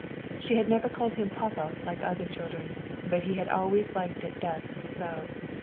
She had never called him "papa" like other children, but he had always liked it best so.